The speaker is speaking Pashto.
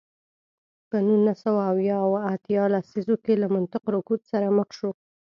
په نولس سوه اویا او اتیا لسیزو کې له مطلق رکود سره مخ شو.